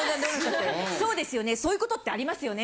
「そうですよねそういう事ってありますよね」